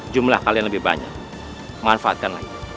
jumlah kalian lebih banyak manfaatkanlah ini